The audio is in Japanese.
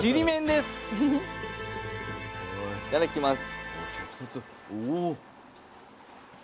いただきます。